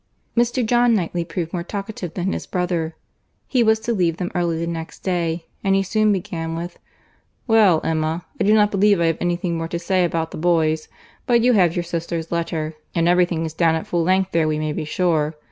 Mr. John Knightley proved more talkative than his brother. He was to leave them early the next day; and he soon began with— "Well, Emma, I do not believe I have any thing more to say about the boys; but you have your sister's letter, and every thing is down at full length there we may be sure.